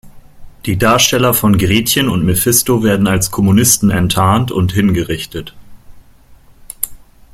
Die Darsteller von Gretchen und Mephisto werden als Kommunisten enttarnt und hingerichtet.